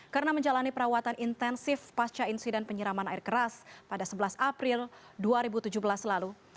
karena menjalani perawatan intensif pasca insiden penyiraman air keras pada sebelas april dua ribu tujuh belas lalu